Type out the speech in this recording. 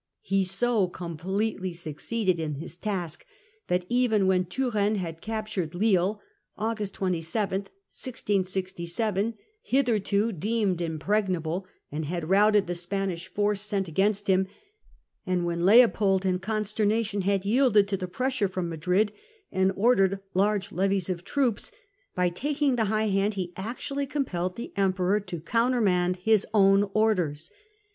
He so completely succeeded in theEmpcror's tas k that even w hen Turenne had captured inactivity. Lille (August 27, 1667), hitherto deemed im pregnable, and had routed the Spanish force sent against him ; and when Leopold, in consternation, had yielded to the pressure from Madrid and ordered large levies of troops, by taking the high hand he actually compelled the Emperor to countermand his own orders.